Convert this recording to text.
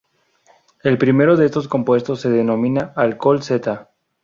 El primero de estos compuestos se denomina alcohol seta.